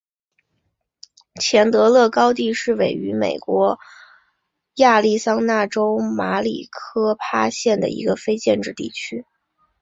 钱德勒高地是位于美国亚利桑那州马里科帕县的一个非建制地区。